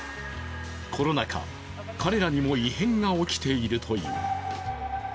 コロナ禍、彼らにも異変が起きているという。